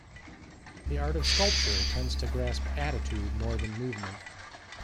The art of sculpture tends to grasp attitude more than movement.